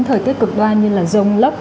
thời tiết cực đoan như là rông lấp